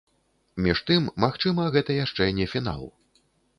Між тым, магчыма, гэта яшчэ не фінал.